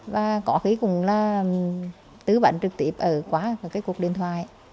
và có khí cũng tứ vận trực tiếp ở quá của cuộc điện thoại